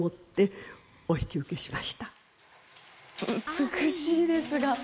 美しいですが。